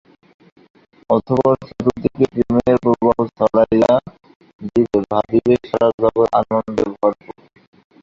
তারপর চতুর্দিকে প্রেমের প্রবাহ ছড়াইয়া দিবে, ভাবিবে সারা জগৎ আনন্দে ভরপুর।